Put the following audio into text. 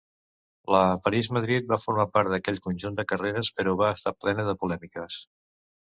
La París-Madrid va formar part d'aquell conjunt de carreres, però va estar plena de polèmiques.